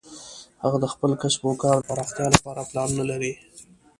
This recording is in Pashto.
هغه د خپل کسب او کار د پراختیا لپاره پلانونه لري